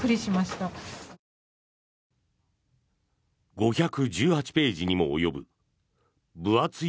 ５１８ページにも及ぶ分厚い